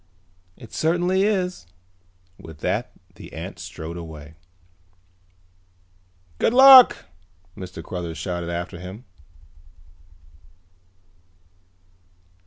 "It certainly is." With that the ant strode away. "Good luck!" Mr. Cruthers shouted after him.